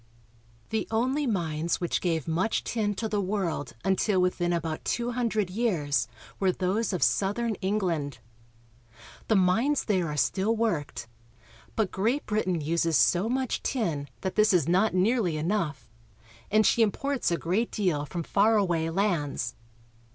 The only mines which gave much tin to the world until within about two hundred years were those of southern England. The mines there are still worked, but Great Brit ain uses so much tin that this is not nearly enough, and she imports a great deal from far away lands.